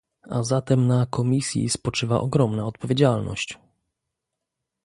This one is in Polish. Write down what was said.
A zatem na Komisji spoczywa ogromna odpowiedzialność